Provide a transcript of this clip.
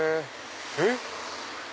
えっ？